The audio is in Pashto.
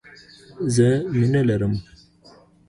زه مينه لرم